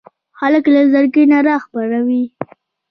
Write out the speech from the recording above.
هلک له زړګي رڼا خپروي.